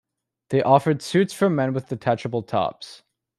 They offered suits for men with detachable tops.